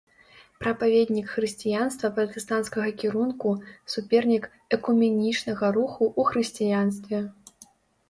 Прапаведнік хрысціянства пратэстанцкага кірунку, супернік экуменічнага руху ў хрысціянстве.